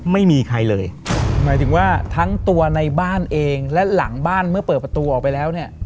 ไม่มีใครเลยหมายถึงว่าทั้งตัวในบ้านเองและหลังบ้านเมื่อเปิดประตูออกไปแล้วเนี่ย